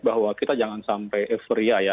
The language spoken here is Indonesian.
bahwa kita jangan sampai euforia ya